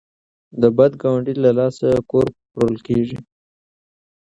د بد ګاونډي له لاسه کور پلورل کیږي.